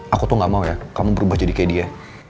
aku tuh gak mau ya kamu berubah jadi kayak dia